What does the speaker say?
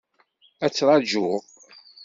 Ad ttraǧuɣ.